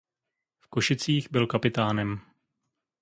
V Košicích byl kapitánem.